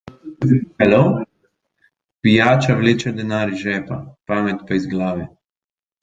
Pijača vleče denar iz žepa, pamet pa iz glave.